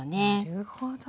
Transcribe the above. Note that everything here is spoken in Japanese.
なるほど。